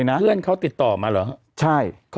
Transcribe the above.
เพื่อนเขาติดต่อมาเหรอ